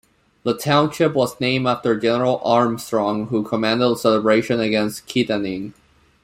The township was named after General Armstrong who commanded the celebration against Kittanning.